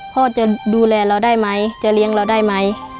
พ่อจะดูแลเราได้ไหมจะเลี้ยงเราได้ไหม